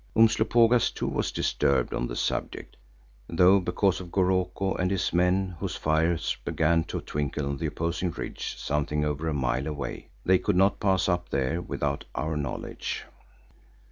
Umslopogaas, too, was disturbed on the subject, though because of Goroko and his men whose fires began to twinkle on the opposing ridge something over a mile away, they could not pass up there without our knowledge.